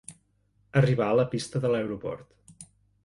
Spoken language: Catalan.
Arribar a la pista de l'aeroport.